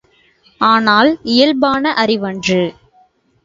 ஆனால் இயல்பான அறிவன்று.